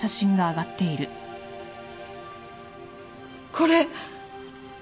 これ。